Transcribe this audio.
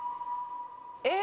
えっ！